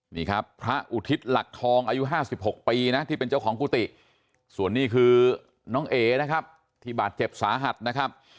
นี่ครับพระอุทิศหลักทองอายุ๕๖ปีนะที่เป็นเจ้าของกุฏิส่วนนี้คือน้องเอ๋นะครับที่บาดเจ็บสาหัสนะครับ